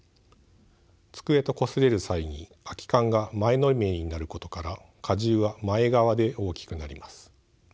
机とこすれる際に空き缶が前のめりになることから荷重は前側で大きくなります。